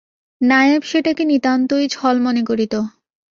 নায়েব সেটাকে নিতান্তই ছল মনে করিত।